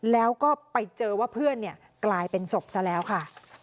แล้วก็ไปเจอว่าเพื่อนกลายเป็นศพซะแล้วค่ะ